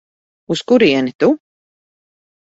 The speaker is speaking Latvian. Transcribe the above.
Uz kurieni tu?